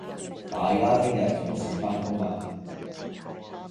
大家聽日準時返工喇